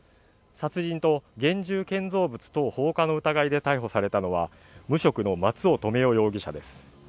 殺人と現住建造物等放火の疑いで逮捕されたのは無職の松尾留与容疑者です